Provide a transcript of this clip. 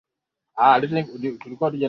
kwa hatua Waturuki walikaa Asia ya Kati na